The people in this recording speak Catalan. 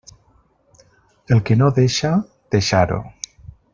El que no deixa, deixar-ho.